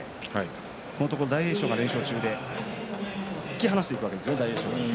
このところ大栄翔は連勝中で突き放しているわけですね。